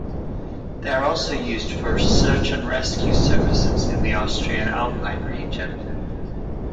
They are also used for search and rescue services in the Austrian alpine region.